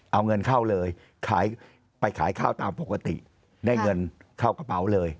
เอาเงินเข้าเลยไปขายข้าวตามปกติได้เงินเข้ากระเป๋าเลย